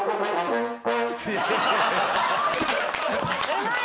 ・うまい！